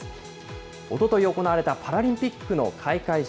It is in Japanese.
おととい行われたパラリンピックの開会式。